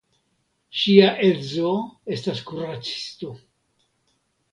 Ŝia edzo estas kuracisto.